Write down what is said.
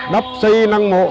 đắp xây năng mộ